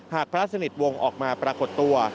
พระสนิทวงศ์ออกมาปรากฏตัว